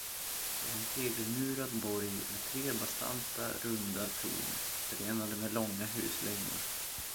Det är en tegelmurad borg med tre bastanta, runda torn, förenade med långa huslängor.